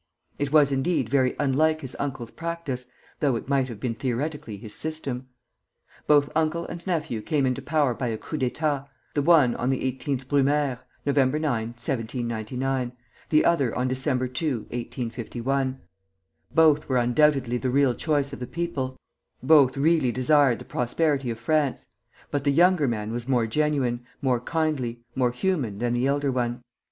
It was indeed very unlike his uncle's practice, though it might have been theoretically his system. Both uncle and nephew came into power by a coup d'état, the one on the 18th Brumaire (Nov. 9, 1799), the other on Dec. 2, 1851. Both were undoubtedly the real choice of the people; both really desired the prosperity of France: but the younger man was more genuine, more kindly, more human than the elder one.